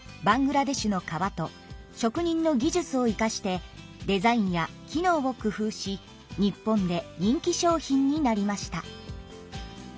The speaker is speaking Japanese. バングラデシュのかわと職人の技術を生かしてデザインや機能を工夫し日本で人気商品になりました。